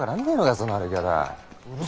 その歩き方。